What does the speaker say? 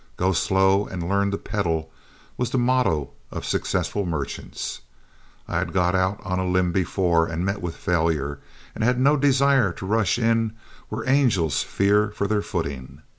"Go slow and learn to peddle," was the motto of successful merchants; I had got out on a limb before and met with failure, and had no desire to rush in where angels fear for their footing.